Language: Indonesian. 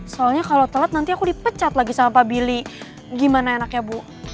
soalnya kalau telat nanti aku di pecat lagi sama pak bili gimana enaknya bu